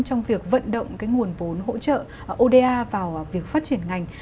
trong việc vận động cái nguồn vốn hỗ trợ oda vào việc phát triển ngành